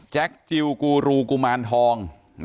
การแก้เคล็ดบางอย่างแค่นั้นเอง